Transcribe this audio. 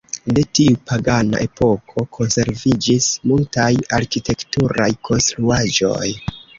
De tiu pagana epoko konserviĝis multaj arkitekturaj konstruaĵoj.